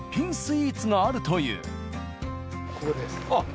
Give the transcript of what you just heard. あっ。